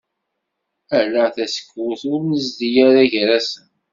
Ala taseksut i ur nezdi ara gar-asen.